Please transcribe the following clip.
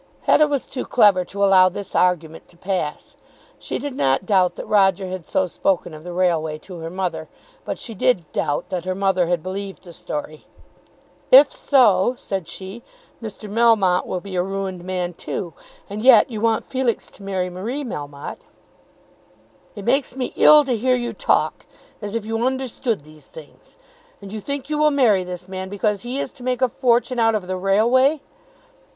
Hetta was too clever to allow this argument to pass. She did not doubt that Roger had so spoken of the Railway to her mother, but she did doubt that her mother had believed the story. "If so," said she, "Mr. Melmotte will be a ruined man too, and yet you want Felix to marry Marie Melmotte." "It makes me ill to hear you talk, as if you understood these things. And you think you will marry this man because he is to make a fortune out of the Railway!"